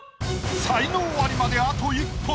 才能アリまであと一歩。